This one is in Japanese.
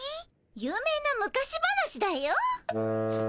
有名な昔話だよ。